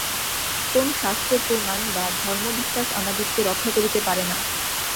কোন শাস্ত্র-প্রমাণ বা ধর্মবিশ্বাস আমাদিগকে রক্ষা করিতে পারে না।